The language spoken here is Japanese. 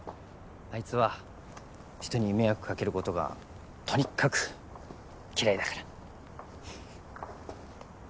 あいつは人に迷惑かけることがとにかく嫌いだから。